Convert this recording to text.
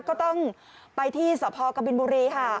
ก็ต้องไปที่สพกบินบุรีค่ะ